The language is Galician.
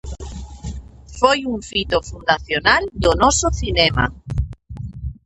Foi un fito fundacional do noso cinema.